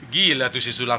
gila tuh si sulam